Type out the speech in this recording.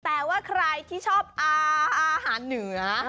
แต่ว่าใครที่ชอบอาหารเหนือ